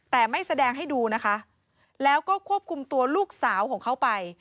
แต่ไม่แสดงให้ดูนะคะแล้วก็ควบคุมตัวลูกสาวของเขาไป